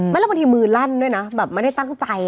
แล้วบางทีมือลั่นด้วยนะแบบไม่ได้ตั้งใจ